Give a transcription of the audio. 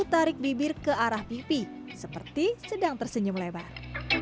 tarik bibir ke arah pipi seperti sedang tersenyum lebar